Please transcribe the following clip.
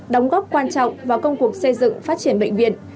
đóng góp quan trọng vào công cuộc xây dựng phát triển bệnh viện